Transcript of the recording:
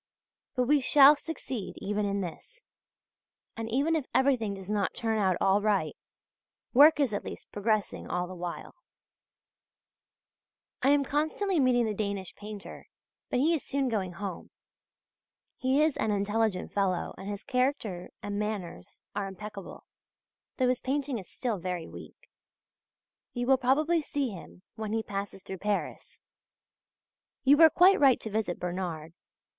But we shall succeed even in this; and even if everything does not turn out all right, work is at least progressing all the while. I am constantly meeting the Danish painter; but he is soon going home. He is an intelligent fellow and his character and manners are impeccable, though his painting is still very weak. You will probably see him when he passes through Paris. You were quite right to visit Bernard.